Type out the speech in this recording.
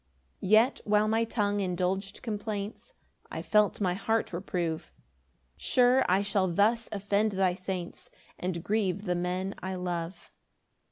5 Yet while my tongue indulg'd complaints, I felt my heart reprove; "Sure I shall thus offend thy saints, "And grieve the men I love."